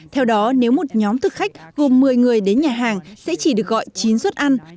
theo đó nếu một nhóm thực khách gồm một mươi người đến nhà hàng sẽ chỉ được gọi chín suất ăn